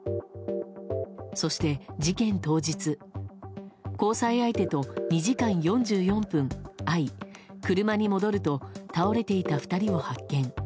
そして、事件当日交際相手と２時間４４分会い車に戻ると倒れていた２人を発見。